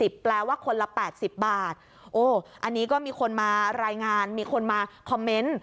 แปลว่าคนละ๘๐บาทโอ้อันนี้ก็มีคนมารายงานมีคนมาคอมเมนต์